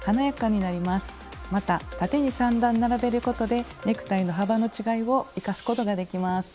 また縦に３段並べることでネクタイの幅の違いを生かすことができます。